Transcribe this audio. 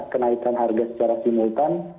kenaikan harga secara simultan